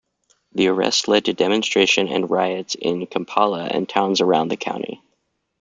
The arrest led to demonstrations and riots in Kampala and towns around the country.